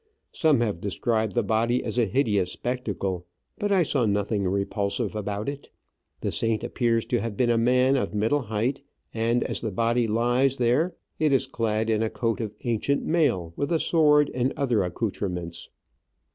Some have described the body as a hideous spectacle, but I saw nothing repulsive about it. The saint appears to have been a man of middle height, and as the body lies there it is clad in a coat of ancient mail, with a sword and other accoutrements.